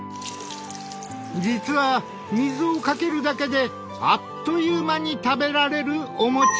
実は水をかけるだけであっという間に食べられるお餅。